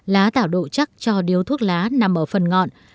lá tạo độ chắc cho điếu thuốc lá nằm ở phần ngọn